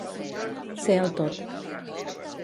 Ser el tot.